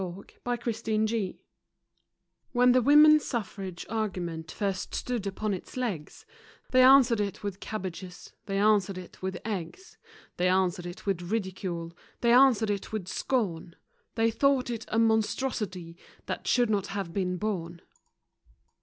WOMEN DO NOT WANT IT * When the woman suffrage argument first stood upon its legs, They answered it with cabbages, they answered it with eggs, They answered it with ridicule, they answered it with scorn, They thought it a monstrosity that should not have been born.